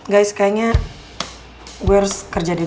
guys kayaknya gue harus kerja di